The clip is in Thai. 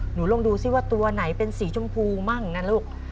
หนูลองดูซิว่าตัวไหนเป็นสีชมพูมั่งนะลูก